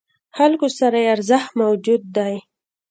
خلکو سره یې ارزښت موجود دی.